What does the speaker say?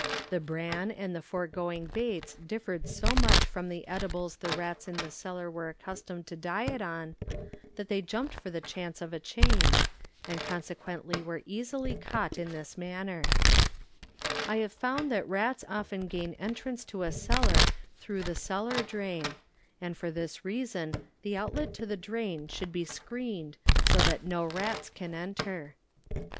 The bran and the foregoing baits differed so much from the edibles the rats in the cellar were accustomed to diet on, that they jumped for the chance of a change, and conse quently were easily caught in this I have found that rats often gain en trance to a cellar through the cellar drain, and for this reason the outlet to the drain should be screened so that no rats can enter.